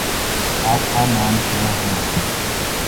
آپ کا نام کیا